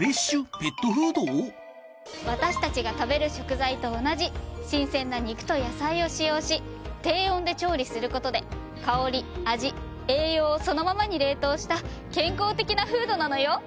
私たちが食べる食材と同じ新鮮な肉と野菜を使用し低温で調理する事で香り味栄養をそのままに冷凍した健康的なフードなのよ。